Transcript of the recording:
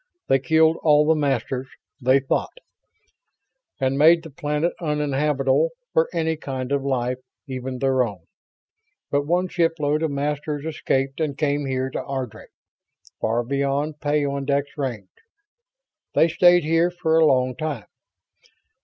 They killed all the Masters, they thought, and made the planet uninhabitable for any kind of life, even their own. But one shipload of Masters escaped and came here to Ardry far beyond peyondix range. They stayed here for a long time.